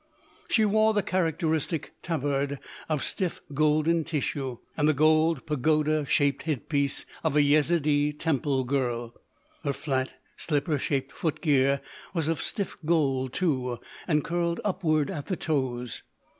She wore the characteristic tabard of stiff golden tissue and the gold pagoda shaped headpiece of a Yezidee temple girl. Her flat, slipper shaped foot gear was of stiff gold, too, and curled upward at the toes.